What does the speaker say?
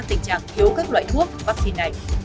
tình trạng thiếu các loại thuốc vắc xin này